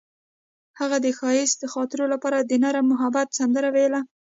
هغې د ښایسته خاطرو لپاره د نرم محبت سندره ویله.